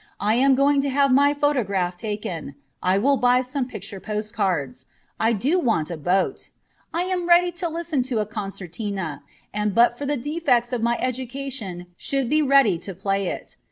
I am going to have my photograph taken. I will buy some picture postcards. I do want a boat. I am ready to listen to a concertina, and but for the defects of my education should be ready to play it.